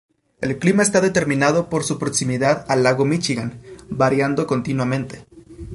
El clima está determinado por su proximidad al lago Míchigan, variando continuamente.